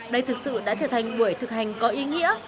đây thực sự đã trở thành buổi thực hành có ý nghĩa